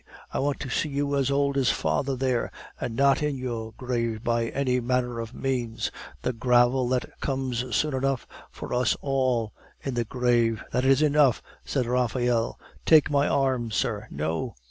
I want to see you as old as father there, and not in your grave by any manner of means. The grave! that comes soon enough for us all; in the grave " "That is enough," said Raphael. "Take my arm, sir." "No."